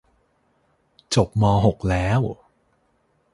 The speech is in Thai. จบมอหกแล้ว